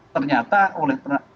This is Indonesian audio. ternyata oleh penasihat hukum